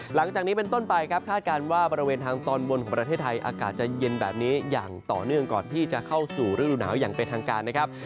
หลังจากนี้เป็นต้นไปครับคาดการณ์ว่าบริเวณทางตอนบนของประเทศไทยอากาศจะเย็นแบบนี้อย่างต่อเนื่องก่อนที่จะเข้าสู่ฤดูหนาวอย่างเป็นทางการนะครับ